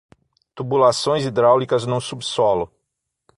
Tubulações hidráulicas no subsolo